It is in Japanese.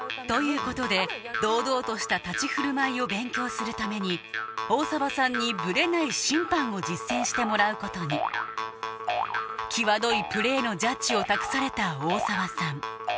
ということで堂々とした立ち振る舞いを勉強するために大澤さんにブレない審判を実践してもらうことにきわどいプレーのジャッジを託された大澤さん